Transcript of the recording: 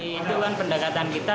jadi itu kan pendekatan kita